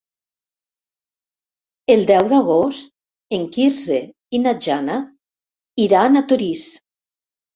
El deu d'agost en Quirze i na Jana iran a Torís.